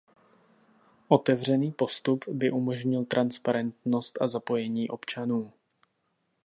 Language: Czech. Otevřený postup by umožnil transparentnost a zapojení občanů.